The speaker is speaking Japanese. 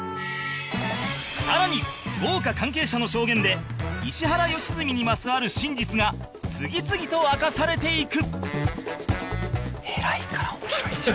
さらに豪華関係者の証言で石原良純にまつわる真実が次々と明かされていく